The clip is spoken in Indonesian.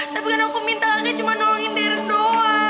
tapi kan aku minta kakek cuma nolongin deren doang